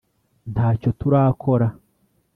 nta cyo turakora :